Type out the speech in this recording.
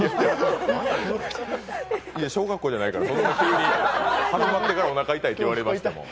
小学校じゃないからそんな急に、始まってからおなか痛いと言われましても。